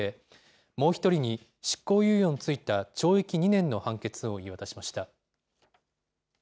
もう１人に執行猶予の付いた懲役２年の判決を言い渡しました。